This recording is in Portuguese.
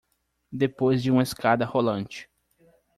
Depois de uma escada rolante